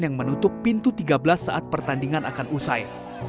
yang menutup pintu tiga belas saat pertandingan akan usai